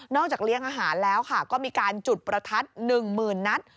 นอกจากเลี้ยงอาหารแล้วค่ะก็มีการจุดประทัด๑หมื่นนัด